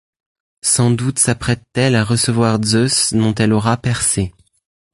Sans doute s'apprête-t-elle à recevoir Zeus dont elle aura Persée.